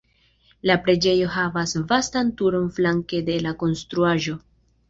La preĝejo havas vastan turon flanke de la konstruaĵo.